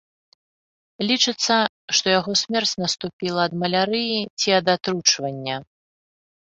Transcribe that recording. Лічыцца, што яго смерць наступіла ад малярыі ці ад атручвання.